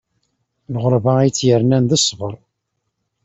Lɣeṛba, ay tt-irnan d ṣṣbeṛ.